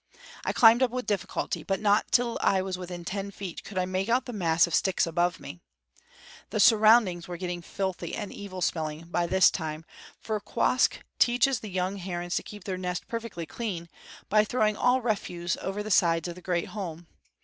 I climbed up with difficulty; but not till I was within ten feet could I make out the mass of sticks above me. The surroundings were getting filthy and evil smelling by this time; for Quoskh teaches the young herons to keep their nest perfectly clean by throwing all refuse over the sides of the great home.